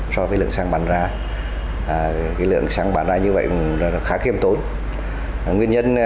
so với lượng xăng bán ra lượng xăng bán ra như vậy khá kiêm tốn